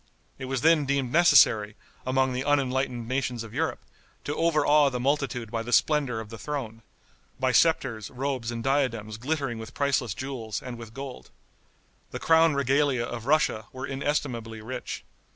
It was then deemed necessary, among the unenlightened nations of Europe, to overawe the multitude by the splendor of the throne by scepters, robes and diadems glittering with priceless jewels and with gold. The crown regalia of Russia were inestimably rich.